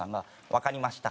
「わかりました」。